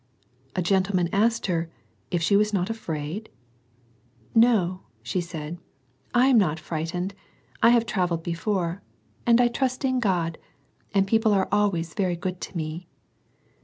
A gentle: asked her, " If she was not afraid ?"" No," said, "I am not frightened; I have travc before, and I trust in God, and people always very good to me."